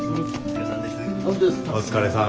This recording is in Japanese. お疲れさん。